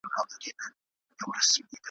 بس پرون چي می ویله `